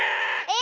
え！